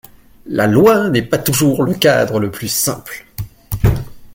La loi n’est pas toujours le cadre le plus simple.